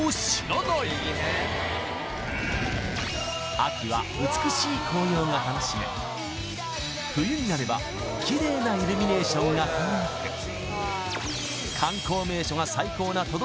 秋は美しい紅葉が楽しめ冬になればキレイなイルミネーションが輝く今回します